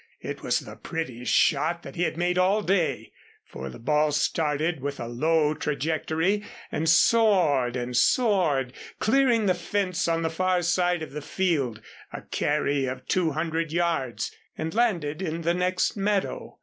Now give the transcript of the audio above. It was the prettiest shot that he had made all day, for the ball started with a low trajectory and soared and soared, clearing the fence on the far side of the field, a carry of two hundred yards, and landed in the next meadow.